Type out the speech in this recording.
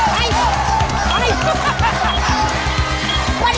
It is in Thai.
เฮ้ยเฮ้ย